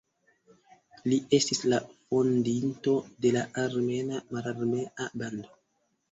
Li estis la fondinto de la "Armena Mararmea Bando".